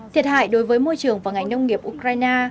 thiệt hại đối với môi trường và ngành nông nghiệp ukraine